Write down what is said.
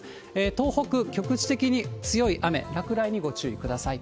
東北、局地的に強い雨、落雷にご注意ください。